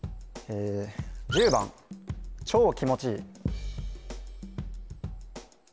１０番「チョー気持ちいい」